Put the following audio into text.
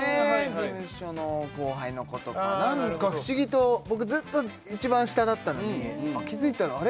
事務所の後輩の子とかなんか不思議と僕ずっと一番下だったのに気付いたらあれ？